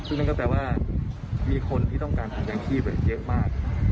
ซึ่งนั่นก็แปลว่ามีคนที่ต้องการหายางชีพเยอะมาก